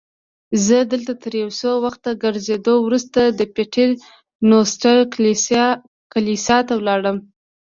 زه دلته تر یو څه وخت ګرځېدو وروسته د پیټر نوسټر کلیسا ته ولاړم.